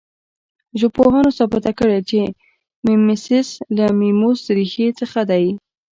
ژبپوهانو ثابته کړې چې میمیسیس له میموس ریښې څخه دی